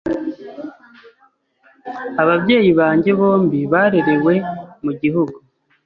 Ababyeyi banjye bombi barerewe mu gihugu.